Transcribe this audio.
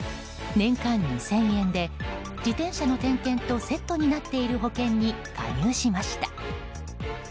年間２０００円で自転車の点検とセットになっている保険に加入しました。